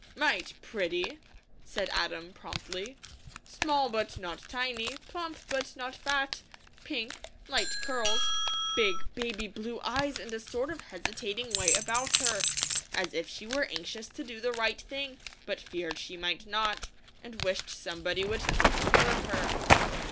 "Might pretty!" said Adam, promptly. "Small, but not tiny; plump, but not fat; pink, light curls, big baby blue eyes and a sort of hesitating way about her, as if she were anxious to do the right thing, but feared she might not, and wished somebody would take care of her."